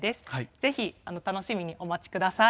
ぜひ、楽しみにお待ちください。